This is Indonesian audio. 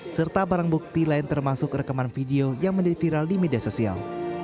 serta barang bukti lain termasuk rekaman video yang menjadi viral di media sosial